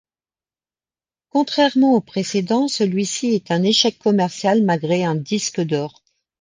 Contrairement aux précédents, celui-ci est un échec commercial malgré un disque d'or.